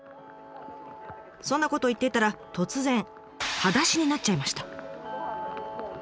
そんなことを言っていたら突然はだしになっちゃいました。